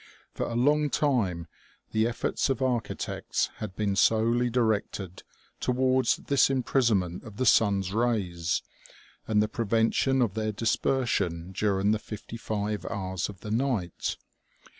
For a long time the efforts of architects had been solely directed towards this imprisonment of the sun's rays and the prevention of their dispersion during the fifty five hours of the night.